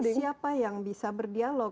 siapa yang bisa berdialog